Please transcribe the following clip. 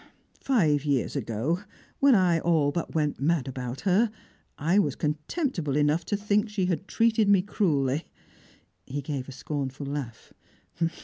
Five years ago, when I all but went mad about her, I was contemptible enough to think she had treated me cruelly." He gave a scornful laugh.